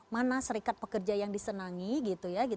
mana serikat pekerja yang disenangi gitu ya